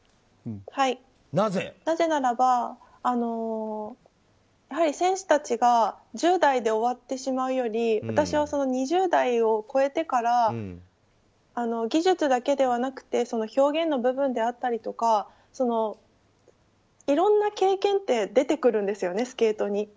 なぜならば、やはり選手たちが１０代で終わってしまうより私は２０代を超えてから技術だけではなくて表現の部分であったりとかいろんな経験って出てくるんですよね、スケートに。